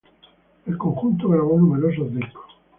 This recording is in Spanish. El conjunto grabó numerosos discos.